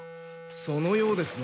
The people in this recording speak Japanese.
そのようですね。